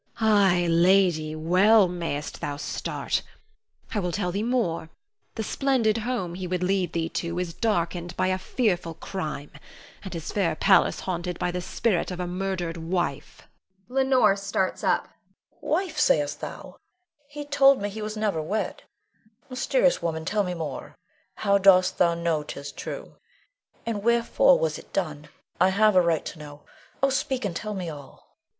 Ay, lady, well mayst thou start. I will tell thee more. The splendid home he would lead thee to is darkened by a fearful crime, and his fair palace haunted by the spirit of a murdered wife. [Leonore starts up. Leonore. Wife, sayest thou? He told me he was never wed. Mysterious woman, tell me more! How dost thou know 'tis true, and wherefore was it done? I have a right to know. Oh, speak, and tell me all! Norna.